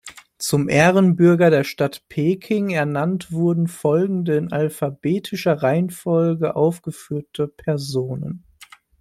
Zum Ehrenbürger der Stadt Peking ernannt wurden folgende in alphabetischer Reihenfolge aufgeführte Personen.